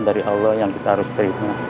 dari allah yang kita harus terima